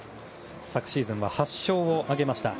昨シーズンは８勝を挙げました。